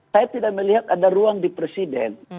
saya tidak melihat ada ruang di presiden